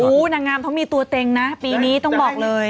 นางงามเขามีตัวเต็งนะปีนี้ต้องบอกเลย